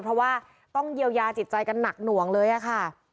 เพราะว่าต้องเยียวยาจิตใจกันหนักหน่วงเลยค่ะ